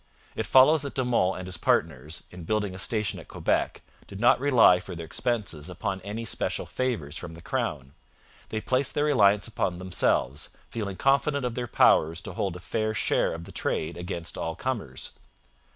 It follows that De Monts and his partners, in building a station at Quebec, did not rely for their expenses upon any special favours from the crown. They placed their reliance upon themselves, feeling confident of their power to hold a fair share of the trade against all comers.